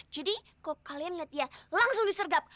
jadi kalo kalian liat ya langsung disergap